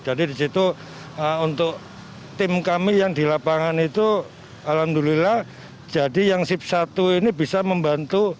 jadi disitu untuk tim kami yang di lapangan itu alhamdulillah jadi yang sip satu ini bisa membantu